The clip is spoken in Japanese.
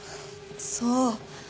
そう。